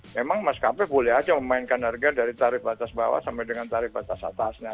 memang maskapai boleh aja memainkan harga dari tarif batas bawah sampai dengan tarif batas atasnya